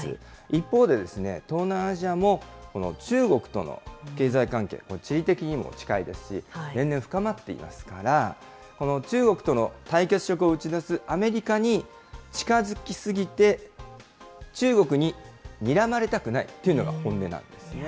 一方で、東南アジアもこの中国との経済関係、地理的にも近いですし、年々深まっていますから、この中国との対決色を打ち出すアメリカに近づきすぎて、中国ににらまれたくないというのが本音なんですね。